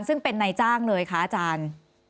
ซึ่งเป็นนายจ้างเลยคะอาจารย์